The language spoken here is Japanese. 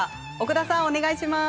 奧田さん、お願いします。